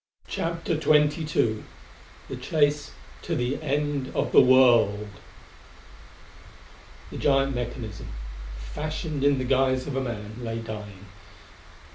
CHAPTER XXII The Chase to the End of the World The giant mechanism, fashioned in the guise of a man, lay dying.